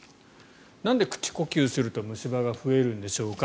なんで口呼吸すると虫歯が増えるんでしょうか。